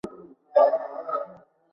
কেউ আমায় সাহায্য করো!